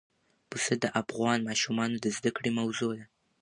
پسه د افغان ماشومانو د زده کړې موضوع ده.